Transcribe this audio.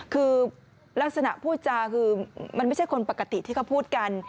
คือลักษณะพูดจาคือมันไม่ใช่คนปกติที่เขาพูดกัน